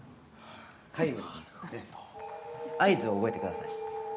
合図を覚えてください。